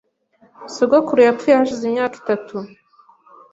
Sogokuru yapfuye hashize imyaka itatu .